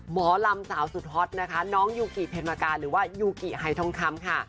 หมอลำสาวสุดฮอตนะคะน้องยูกิเพนกาหรือว่ายูกิไฮทองคำค่ะ